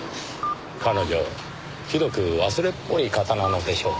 彼女ひどく忘れっぽい方なのでしょうかねぇ。